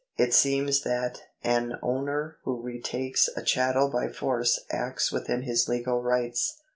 It seems that an owner who retakes a chattel by force acts within his legal rights.